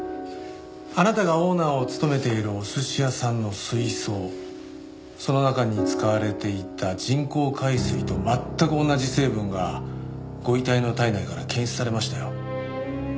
あなたがオーナーを務めているお寿司屋さんの水槽その中に使われていた人工海水と全く同じ成分がご遺体の体内から検出されましたよ。